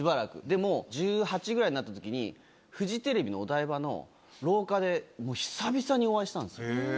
もう１８ぐらいになったときに、フジテレビのお台場の廊下で、もう久々にお会いしたんですよ。